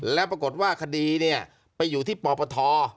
แล้วปรากฏว่าคดีเนี่ยไปอยู่ที่ปปท